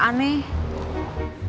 kenapa tukang ciloknya